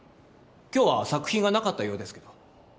今日は作品がなかったようですけど。